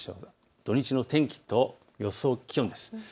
土日の天気と予想気温です。